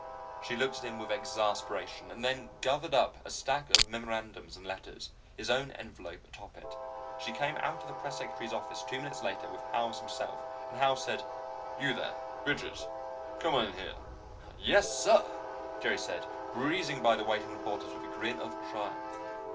She looked at him with exasperation, and then gathered up a stack of memorandums and letters, his own envelope atop it. She came out of the press secretary's office two minutes later with Howells himself, and Howells said: "You there, Bridges. Come in here." "Yes, sir!" Jerry said, breezing by the waiting reporters with a grin of triumph.